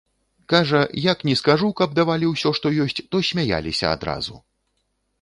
Кажа, як ні скажу, каб давалі ўсе, што ёсць, то смяяліся адразу.